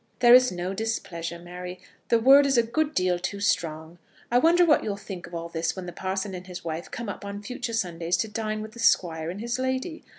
"There is no displeasure, Mary; the word is a good deal too strong. I wonder what you'll think of all this when the parson and his wife come up on future Sundays to dine with the Squire and his lady.